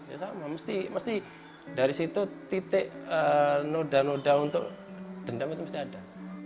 ya sama mesti dari situ titik noda noda untuk dendam itu mesti ada